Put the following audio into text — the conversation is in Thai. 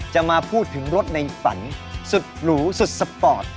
จะมาพูดถึงรถในฝันสุดหรูสุดสปอร์ต